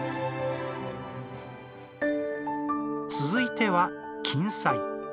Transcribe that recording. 続いては金彩。